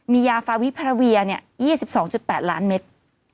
มียาฟาวิพาราเวีย๒๒๘ล้านเมตร